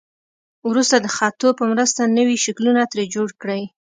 وروسته د خطو په مرسته نوي شکلونه ترې جوړ کړئ.